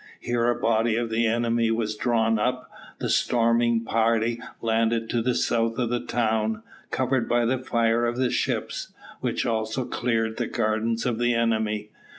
Here a body of the enemy was drawn up. The storming party landed to the south of the town, covered by the fire of the ships, which also cleared the gardens of the enemy.